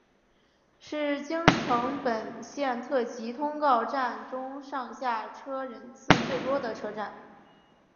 是京成本线特急通过站中上下车人次最多的车站。